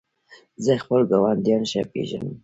زه خپل ګاونډیان ښه پېژنم.